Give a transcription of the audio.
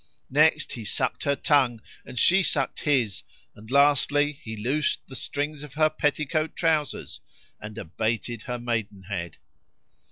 Next he sucked her tongue and she sucked his, and lastly, he loosed the strings of her petticoat trousers and abated her maidenhead.